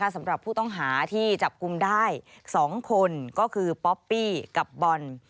สำหรับผู้ต้องหาที่จับกลุ่มได้๒คนก็คือป๊อปปี้กับบอล